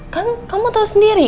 kan kamu tau sendiri